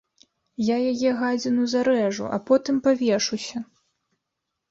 Я яе, гадзіну, зарэжу, а потым павешуся!